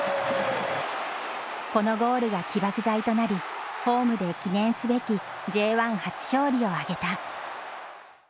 このゴールが起爆剤となりホームで記念すべきＪ１初勝利を挙げた。